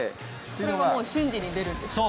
これが瞬時に出るんですか？